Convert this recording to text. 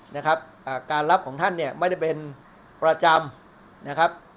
นะครับอ่าการรับของท่านเนี่ยไม่ได้เป็นประจำนะครับ